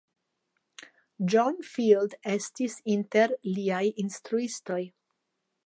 John Field estis inter liaj instruistoj.